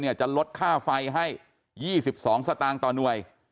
จะลดค่าไฟให้๒๒สตางค์ต่อหน่วย